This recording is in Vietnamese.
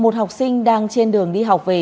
một học sinh đang trên đường đi học về